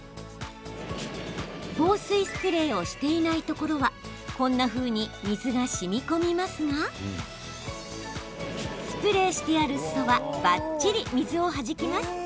防水スプレーをしていないところは、こんなふうに水がしみこみますがスプレーしてあるすそはばっちり水をはじきます。